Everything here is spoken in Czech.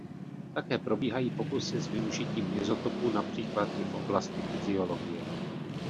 Také probíhají pokusy s využitím izotopů například i v oblasti fyziologie.